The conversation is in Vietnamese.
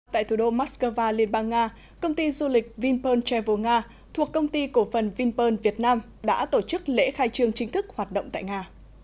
tại thủ đô moscow liên bang nga công ty du lịch vinpearl travel nga thuộc công ty cổ phần vinpearl việt nam đã tổ chức lễ khai trương chính thức hoạt động tại nga